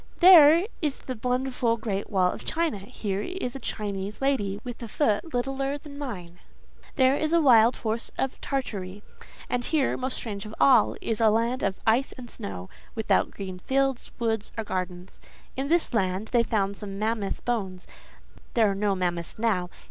There is the wonderful Great Wall of China; here is a Chinese lady, with a foot littler than mine. There is a wild horse of Tartary; and here, most strange of all—is a land of ice and snow, without green fields, woods, or gardens. In this land, they found some mammoth bones: there are no mammoths now.